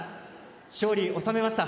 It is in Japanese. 勝利を収めました。